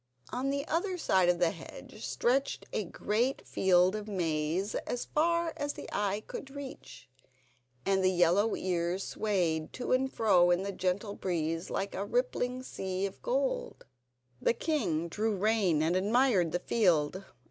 On the other side of the hedge stretched a great field of maize as far as the eye could reach, and the yellow ears swayed to and fro in the gentle breeze like a rippling sea of gold. The king drew rein and admired the field.